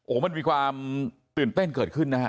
โอ้มันมีความตื่นเต้นเกิดขึ้น